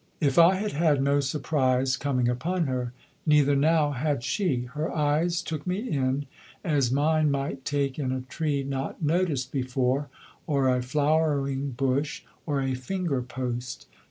If I had had no surprise coming upon her, neither now had she. Her eyes took me in, as mine might take in a tree not noticed before, or a flowering bush, or a finger post.